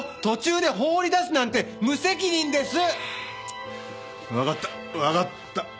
途中で放り出すなんて無責任です！ハァ分かった。